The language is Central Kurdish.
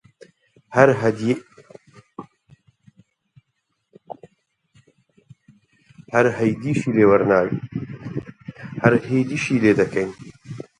هەر هەیدیشی لێ دەکردین: